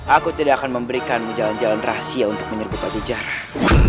aku tidak akan memberikanmu jalan jalan rahasia untuk menyerbu batu jarah